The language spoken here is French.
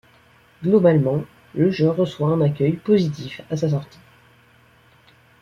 Globalement, le jeu reçoit un accueil positif à sa sortie.